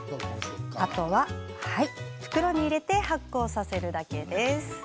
あとは、袋に入れて発酵させるだけです。